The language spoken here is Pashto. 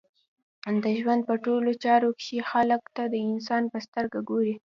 د ژوند په ټولو چارو کښي خلکو ته د انسان په سترګه ګورئ!